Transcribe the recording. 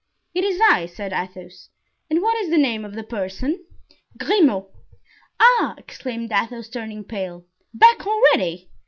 "It is I," said Athos, "and what is the name of the person?" "Grimaud." "Ah!" exclaimed Athos, turning pale. "Back already!